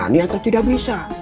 berani atau tidak bisa